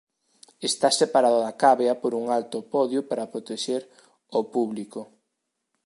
Está separada da cávea por un alto podio para protexer ao público.